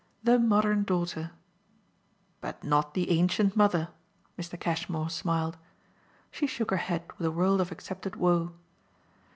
"The modern daughter!" "But not the ancient mother!" Mr. Cashmore smiled. She shook her head with a world of accepted woe.